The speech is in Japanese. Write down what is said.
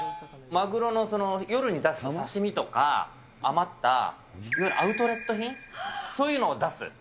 マグロの夜に出す刺身とか、余った、いわゆるアウトレット品、そういうのを出す。